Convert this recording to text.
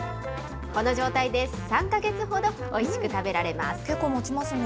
この状態で、３か月ほどおいしく食べられます。